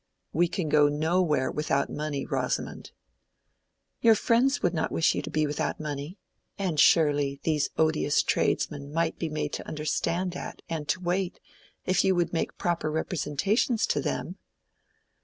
"We can go nowhere without money, Rosamond." "Your friends would not wish you to be without money. And surely these odious tradesmen might be made to understand that, and to wait, if you would make proper representations to them."